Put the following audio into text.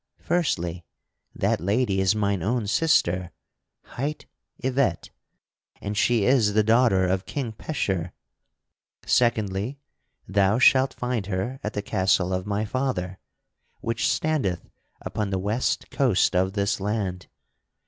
Firstly, that lady is mine own sister, hight Yvette, and she is the daughter of King Pecheur. Secondly, thou shalt find her at the castle of my father, which standeth upon the west coast of this land.